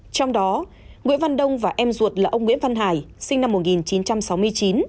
trong đó nguyễn văn đông và em ruột là ông nguyễn văn hải sinh năm một nghìn chín trăm sáu mươi chín